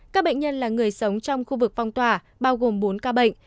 các bệnh nhân là người sống trong khu vực phong tỏa bao gồm bốn ca bệnh